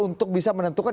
untuk bisa menentukan